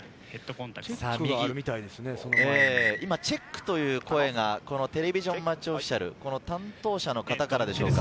今、「チェック」という声がテレビジョン・マッチ・オフィシャル、担当者の方からでしょうか？